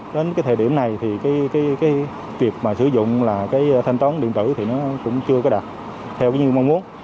đến cái thời điểm này thì cái việc mà sử dụng là cái thanh toán điện tử thì nó cũng chưa có đạt theo như mong muốn